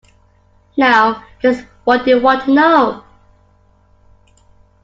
Now just what do you want to know.